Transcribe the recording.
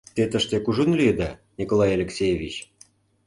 — Те тыште кужун лийыда, Николай Алексеевич?